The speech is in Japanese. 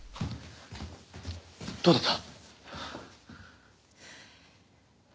どうだった？